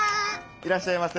いらっしゃいませ。